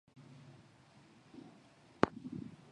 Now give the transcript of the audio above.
Maji na damu yako ni safi